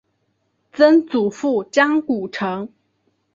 曾祖父张谷成。